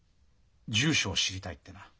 住所を知りたいってな。